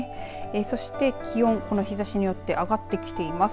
そして気温、この日ざしによって上がってきています。